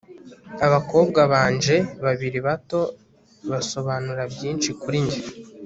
abakobwa banje babiri bato basobanura byinshi kuri njye